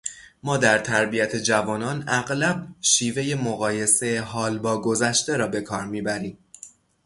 ما در تربیت جوانان اغلب شیوهٔ مقایسهٔ حال با گذشته را بکار میبریم.